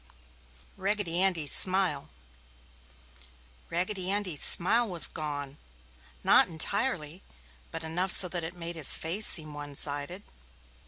] RAGGEDY ANDY'S SMILE Raggedy Andy's smile was gone. Not entirely, but enough so that it made his face seem onesided.